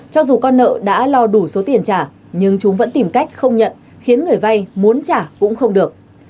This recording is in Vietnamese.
cho dù con nợ đã lo đủ số tiền trả nhưng chúng vẫn tìm cách không nhận khiến người vay muốn trả cũng không được